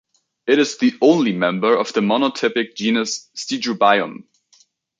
It is the only member of the monotypic genus Stegobium.